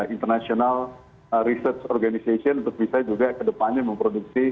international research organization untuk bisa juga kedepannya memproduksi